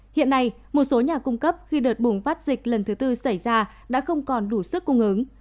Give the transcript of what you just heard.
hiện nay một số nhà cung cấp khi đợt bùng phát dịch lần thứ tư xảy ra đã không còn đủ sức cung ứng